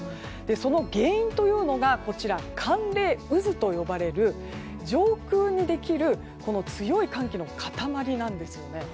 その原因というのが寒冷渦と呼ばれる上空にできる強い寒気の塊なんですね。